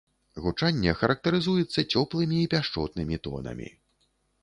Гучанне характарызуецца цёплымі і пяшчотнымі тонамі.